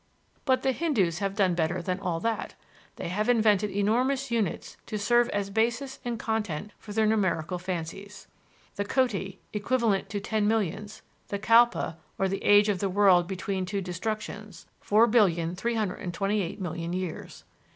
But the Hindoos have done better than all that. They have invented enormous units to serve as basis and content for their numerical fancies: the Koti, equivalent to ten millions; the Kalpa (or the age of the world between two destructions), 4,328,000,000 years.